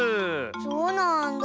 そうなんだ。